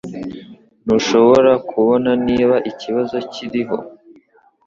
Ntushobora kubona niba ikibazo kikiriho